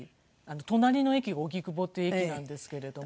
隣の駅が荻窪っていう駅なんですけれども。